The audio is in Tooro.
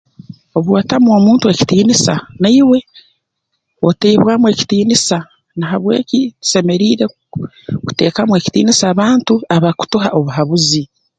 Obu watamu omuntu ekitiinisa naiwe otaibwamu ekitiinisa na habweki tusemeriire ku kuteekamu ekitiinisa abantu abakutuha obuhabuzi